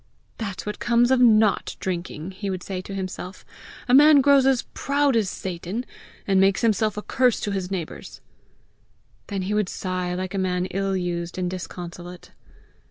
"That's what comes of NOT drinking!" he would say to himself; "a man grows as proud as Satan, and makes himself a curse to his neighbours!" Then he would sigh like a man ill used and disconsolate.